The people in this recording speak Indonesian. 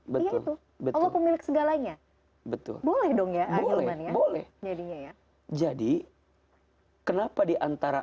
betul betul pemilik segalanya betul boleh dong ya boleh boleh jadinya ya jadi kenapa diantara